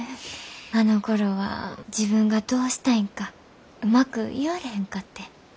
あのころは自分がどうしたいんかうまく言われへんかって。